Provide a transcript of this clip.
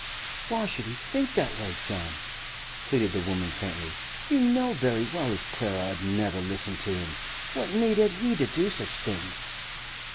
'Why should he think that way, John?' pleaded the woman faintly. 'You know very well as Clara 'ud never listen to him. What need had he to do such things?